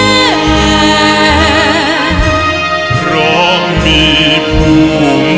ไม่เร่รวนภาวะผวังคิดกังคัน